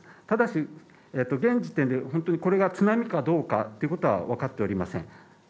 ただし現時点で本当にこれが津波かどうかということはわかっておりません。